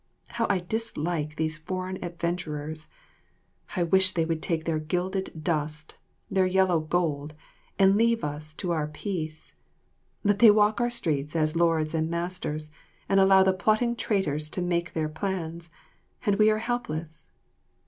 How I dislike these foreigner adventurers! I wish they would take their gilded dust, their yellow gold, and leave us to our peace; but they walk our streets as lords and masters, and allow the plotting traitors to make their plans, and we are helpless.